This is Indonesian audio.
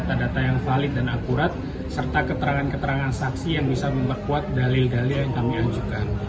data data yang valid dan akurat serta keterangan keterangan saksi yang bisa memperkuat dalil dalil yang kami ajukan